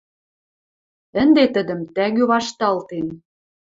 Ӹнде тӹдӹм тӓгӱ вашталтен...